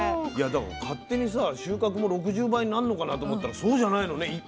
いやだから勝手にさ収穫も６０倍になんのかなと思ったらそうじゃないのね。